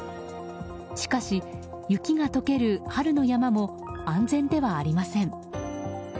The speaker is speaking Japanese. しかし、雪が解ける春の山も安全ではありません。